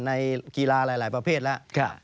ในกีฬาหลายประเภทแล้ว